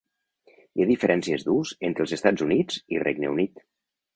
Hi ha diferències d'ús entre els Estats Units i Regne Unit.